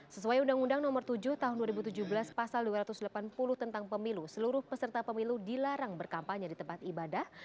sesuai undang undang nomor tujuh tahun dua ribu tujuh belas pasal dua ratus delapan puluh tentang pemilu seluruh peserta pemilu dilarang berkampanye di tempat ibadah